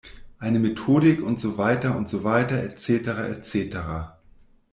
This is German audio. Eine Methodik und so weiter und so weiter, et cetera, et cetera.